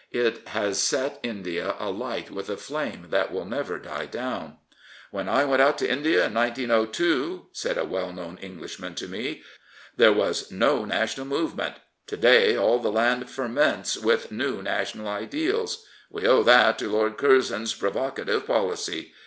It has set India alight with a flame that will never die down. " When I went out to India in 1902," said a well known English man to me, " there was no national movement. To day all the land ferments with new national ideals. We owe that to Lord Curzon's provocative policy.